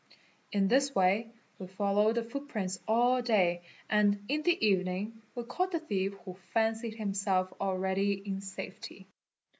In this way we followed the footprints all day and in the evening we caught the thief who fancied himself already in safety.